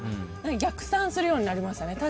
逆算するようになりましたね。